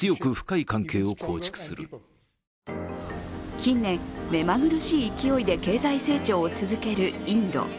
近年、めまぐるしい勢いで経済成長を続けるインド。